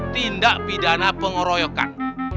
tindak pidana pengoroyokan